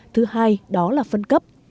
thứ hai đó là phân cấp